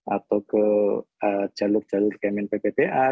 atau ke jalur jalur kemen pppa